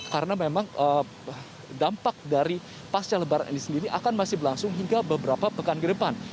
karena memang dampak dari pasca lebaran ini sendiri akan masih berlangsung hingga beberapa pekan ke depan